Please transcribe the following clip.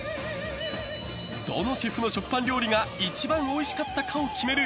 どのシェフの食パン料理が一番おいしかったかを決める